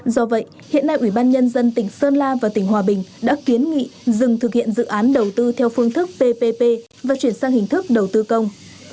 do vậy hiện nay ủy ban nhân dân tỉnh sơn la và tỉnh hòa bình đã kiến nghị dừng thực hiện dự án đầu tư theo phương thức ppp và chuyển sang hình thức đầu tư công